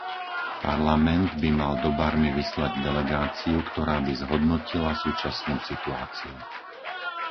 Parlament by mal do Barmy vyslať delegáciu, ktorá by zhodnotila súčasnú situáciu.